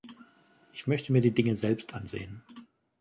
Ich möchte mir die Dinge selbst ansehen.